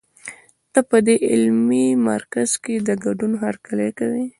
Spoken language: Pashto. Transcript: ته په دې علمي مرکز کې د ګډون هرکلی کوي.